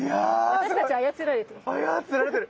私たち操られている。